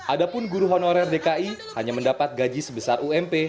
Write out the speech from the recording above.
adapun guru honorer dki hanya mendapat gaji sebesar ump